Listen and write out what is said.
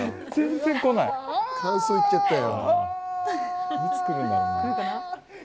間奏いっちゃったよ。